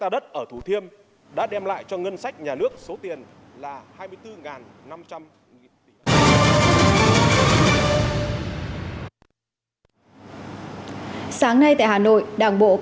đất ở thủ thiêm đã đem lại cho ngân sách nhà nước số tiền là hai mươi bốn năm trăm linh tỷ đồng